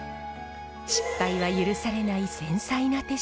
失敗は許されない繊細な手仕事。